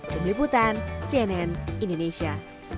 pemiliputan cnn indonesia